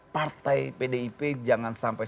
partai pdip jangan sampai